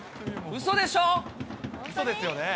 うそでしょ？